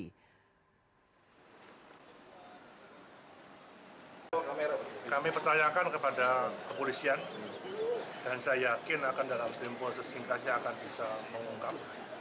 kami percayakan kepada kepolisian dan saya yakin akan dalam tempo sesingkatnya akan bisa mengungkap